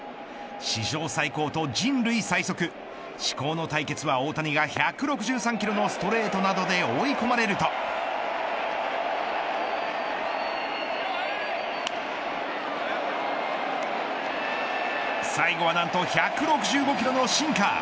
史上最高と人類最速至高の対決は大谷が１６３キロのストレートなどで追い込まれると最後は何と１６５キロのシンカー。